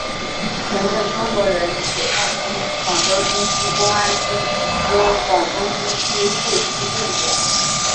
曾任中国人民解放军广州军区公安军兼广东军区副司令员。